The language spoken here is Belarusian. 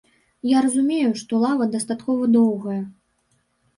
Я разумею, што лава дастаткова доўгая.